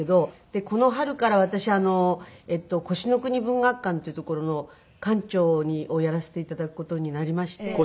この春から私高志の国文学館というところの館長をやらせて頂く事になりまして。